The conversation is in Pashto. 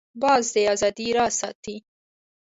باز د آزادۍ راز ساتي